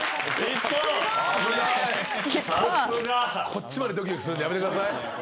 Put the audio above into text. こっちまでドキドキするんでやめてください。